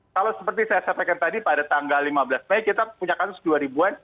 kalau seperti saya sampaikan tadi pada tanggal lima belas mei kita punya kasus dua ribu an